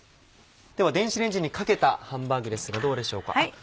では電子レンジにかけたハンバーグですがどうでしょうか。